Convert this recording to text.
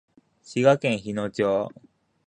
滋賀県日野町